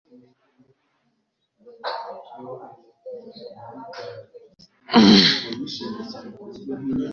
bazabanza kureba niba byaragabanyije icyorezo cyangwa byaracyongereye